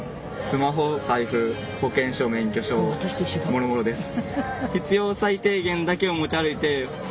もろもろです。